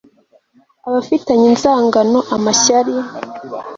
abafitanye inzangano, amashyari